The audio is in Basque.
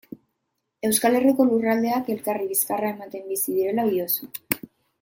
Euskal Herriko lurraldeak elkarri bizkarra ematen bizi direla diozu.